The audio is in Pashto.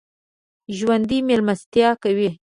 ژوندي مېلمستیا کوي